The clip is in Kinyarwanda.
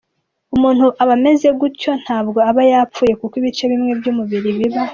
umuntu aba ameze gutyo ntabwo aba yapfuye kuko ibice bimwe by’umubiri biba